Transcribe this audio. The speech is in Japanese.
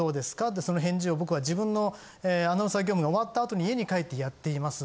ってその返事を僕は自分のアナウンサー業務が終わったあとに家に帰ってやっています。